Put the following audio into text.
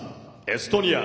エストニア。